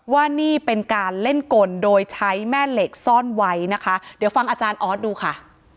ว่านี่เป็นการเล่นกลโดยใช้แม่เหล็กซ่อนไว้นะคะเดี๋ยวฟังอาจารย์ออสดูค่ะ